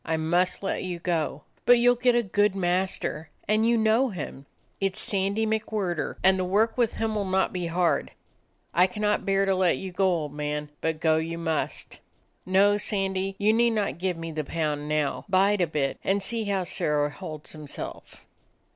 I must let you go. But you 'll get a good master; and you know him. It 's Sandy McWhirter, and the work with him 'll not be hard. I cannot bear to let you go, old man, but go you must. No, Sandy, you need not give me the pound now. Bide a bit, and see how Sirrah holds himself.